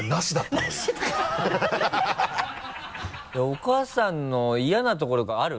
お母さんの嫌なとことかある？